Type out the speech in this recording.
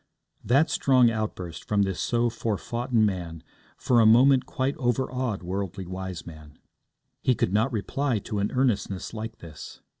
That strong outburst from this so forfoughten man for a moment quite overawed Worldly Wiseman. He could not reply to an earnestness like this.